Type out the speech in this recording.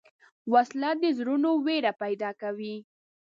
وسله د زړونو وېره پیدا کوي